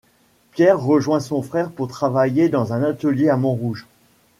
Pierre rejoint son frère pour travailler dans un atelier à Montrouge.